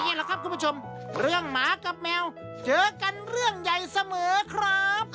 แหละครับคุณผู้ชมเรื่องหมากับแมวเจอกันเรื่องใหญ่เสมอครับ